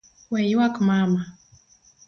We yuak mama.